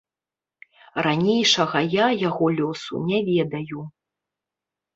Ранейшага я яго лёсу не ведаю.